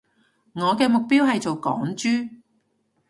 我嘅目標係做港豬